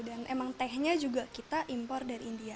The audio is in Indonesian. dan emang tehnya juga kita impor dari india